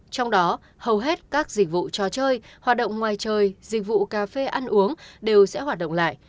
trong đó hầu hết các dịch vụ trò chơi hoạt động ngoài trời dịch vụ cà phê ăn uống đều sẽ hoạt động lại